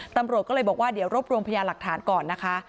ตำรวจก็เลยบอกว่าเดี๋ยวรวบรวมพยานหลักฐานก่อนนะคะ